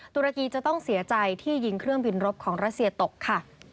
ตุรกีจะต้องเสียใจที่ยิงเครื่องบินรบของรัสเซียตกค่ะ